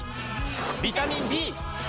ビタミン Ｂ！